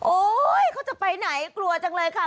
เขาจะไปไหนกลัวจังเลยค่ะ